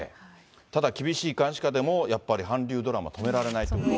ただ厳しい監視下でも、やっぱり韓流ドラマ、止められないということで。